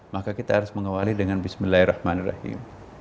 maka kita harus mengawal itu dengan bismillahirrahmanirrahim